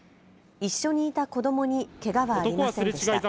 一緒にいた子どもにけがはありませんでした。